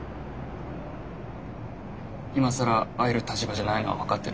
今更会える立場じゃないのは分かってる。